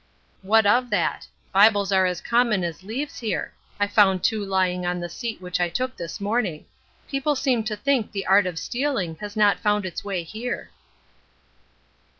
"What of that! Bibles are as common as leaves here. I found two lying on the seat which I took this morning. People seem to think the art of stealing has not found its way here."